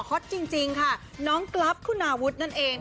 เขาจริงค่ะน้องกลั๊บคุณาวุฒนั่นเอง